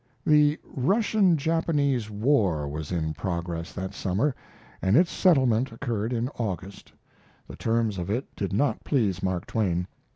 The Russian Japanese war was in progress that summer, and its settlement occurred in August. The terms of it did not please Mark Twain.